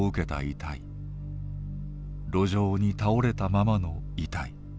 路上に倒れたままの遺体。